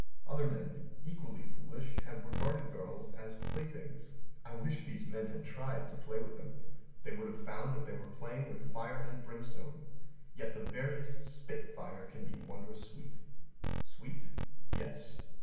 Other men, equally foolish, have regarded girls as playthings. I wish these men had tried to play with them. They would have found that they were playing with fire and brimstone. Yet the veriest spit fire can be wondrous sweet. Sweet? Yes.